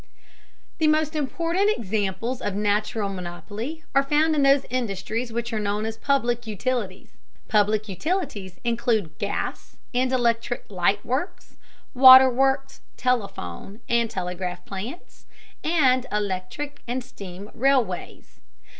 The most important examples of natural monopoly are found in those industries which are known as public utilities. Public utilities include gas and electric light works, waterworks, telephone and telegraph plants, and electric and steam railways.